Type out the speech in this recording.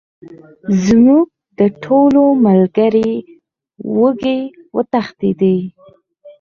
زموږ د ټولو ملګرو اوږې وتخنېدې.